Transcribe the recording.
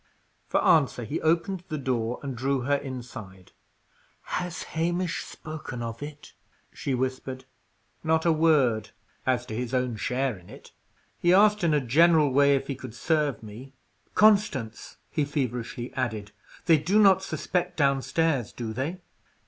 For answer, he opened the door and drew her inside. "Has Hamish spoken of it?" she whispered. "Not a word as to his own share in it. He asked, in a general way, if he could serve me. Constance," he feverishly added, "they do not suspect downstairs, do they?"